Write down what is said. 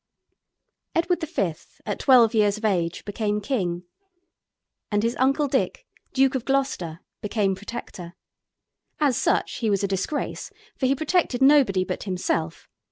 Edward V. at twelve years of age became king, and his uncle Dick, Duke of Gloucester, became Protector. As such he was a disgrace, for he protected nobody but himself.